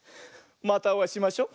またおあいしましょ。